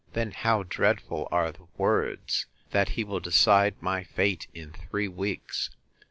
Then how dreadful are the words, that he will decide my fate in three weeks!